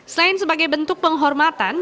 selain sebagai bentuk penghormatan